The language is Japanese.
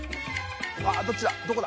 ◆舛どっちだ？